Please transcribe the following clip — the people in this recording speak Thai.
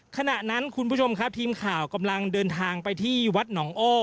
ขณะนั้นคุณผู้ชมครับทีมข่าวกำลังเดินทางไปที่วัดหนองอ้อ